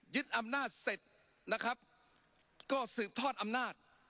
อำนาจเสร็จนะครับก็สืบทอดอำนาจ